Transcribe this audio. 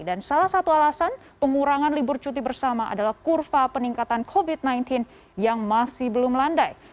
dan salah satu alasan pengurangan libur cuti bersama adalah kurva peningkatan covid sembilan belas yang masih belum landai